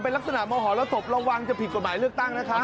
เป็นลักษณะมหรสบระวังจะผิดกฎหมายเลือกตั้งนะครับ